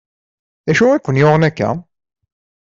D acu i ken-yuɣen akka?